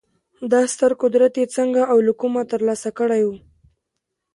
دا ستر قدرت یې څنګه او له کومه ترلاسه کړی و